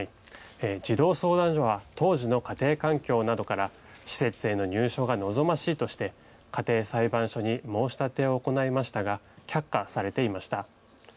児童相談所は当時の家庭環境などから施設への入所が望ましいとして家庭裁判所に申し立てを行いましたが却下されていました。